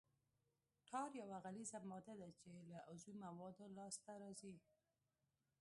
ټار یوه غلیظه ماده ده چې له عضوي موادو لاسته راځي